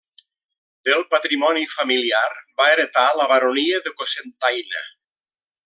Del patrimoni familiar va heretar la baronia de Cocentaina.